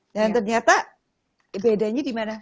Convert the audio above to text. dan ternyata bedanya dimana